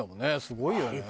すごいよね。